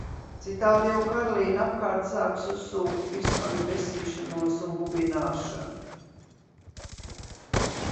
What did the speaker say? Citādi jau Karlīne apkārt sāks "uzsūkt" visu manu besīšanos un bubināšanu.